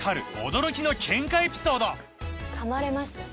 かまれましたし。